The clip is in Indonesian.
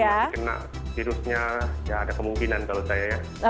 kalau dikena virusnya ya ada kemungkinan kalau saya ya